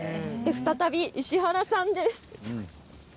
再び石原さんです。